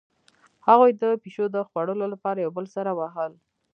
هغوی د پیشو د خوړلو لپاره یو بل سره وهل